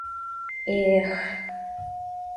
Э-эх!..